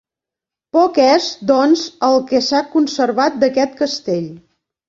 Poc és, doncs, el que s'ha conservat d'aquest castell.